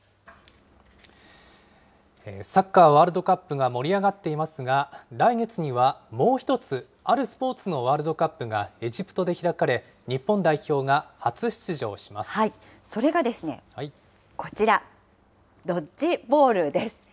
サッカーワールドカップが盛り上がっていますが、来月にはもう一つ、あるスポーツのワールドカップがエジプトで開それがですね、こちら、ドッジボールです。